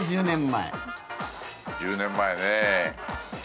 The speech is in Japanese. １０年前ね。